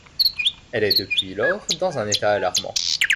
Elle est depuis lors dans un état alarmant.